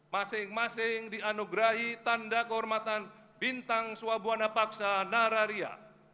masing masing dianugerahi tanda kehormatan bintang swabuana paksa nararia